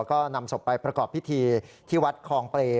ก็นำศพไปประกอบพิธีที่วัดคลองเปรย์